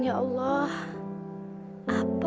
ya allah apa